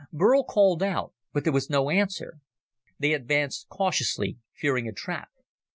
Burl called out, but there was no answer. They advanced cautiously, fearing a trap.